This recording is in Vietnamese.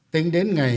tính đến ngày